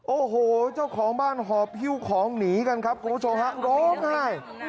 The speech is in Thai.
โอ้โหเจ้าของบ้านหอบฮิ้วของหนีกันครับคุณผู้ชมฮะร้องไห้